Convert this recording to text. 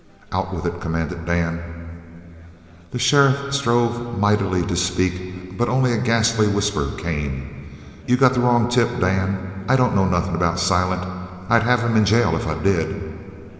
"Out with it!" commanded Dan. The sheriff strove mightily to speak, but only a ghastly whisper came: "You got the wrong tip, Dan. I don't know nothin' about Silent. I'd have him in jail if I did!"